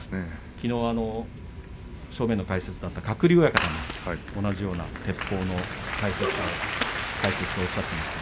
きのう正面の解説の鶴竜親方が、同じようにてっぽうの大切さをおっしゃっていました。